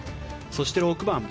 そして６番。